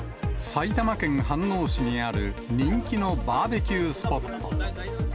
埼玉県飯能市にある、人気のバーベキュースポット。